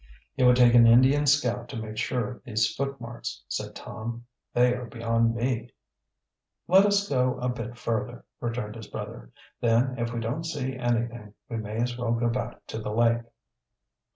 "It would take an Indian scout to make sure of these footmarks," said Tom. "They are beyond me." "Let us go a bit further," returned his brother. "Then if we don't see anything, we may as well go back to the lake."